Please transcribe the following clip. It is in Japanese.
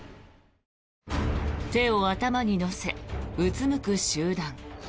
手を頭に乗せうつむく集団。